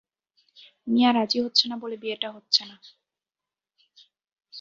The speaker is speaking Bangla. মিয়া রাজি হচ্ছে না বলেই বিয়েটা হচ্ছে না।